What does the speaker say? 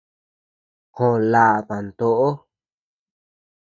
Joo laʼa dantoʼo.